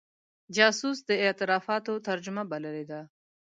جاسوس د اعترافاتو ترجمه بللې ده.